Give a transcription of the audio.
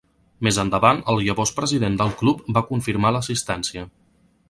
Més endavant el llavors president del club va confirmar l'assistència.